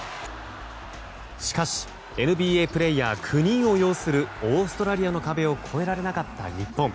しかしＮＢＡプレーヤー９人を擁するオーストラリアの壁を超えられなかった日本。